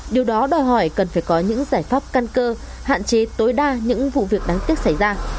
điều đó đòi hỏi cần phải có những giải pháp căn cơ hạn chế tối đa những vụ việc đáng tiếc xảy ra